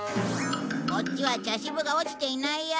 こっちは茶渋が落ちていないよ。